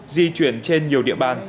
di chuyển trên nhiều địa bàn